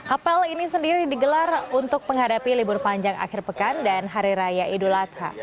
apel ini sendiri digelar untuk menghadapi libur panjang akhir pekan dan hari raya idul adha